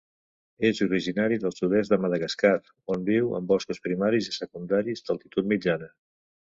És originari del sud-est de Madagascar, on viu en boscos primaris i secundaris d'altitud mitjana.